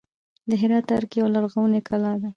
د هرات ارګ یوه لرغونې کلا ده